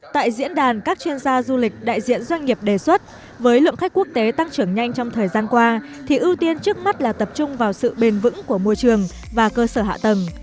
tại diễn đàn các chuyên gia du lịch đại diện doanh nghiệp đề xuất với lượng khách quốc tế tăng trưởng nhanh trong thời gian qua thì ưu tiên trước mắt là tập trung vào sự bền vững của môi trường và cơ sở hạ tầng